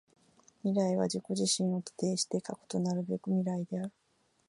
未来は自己自身を否定して過去となるべく未来である。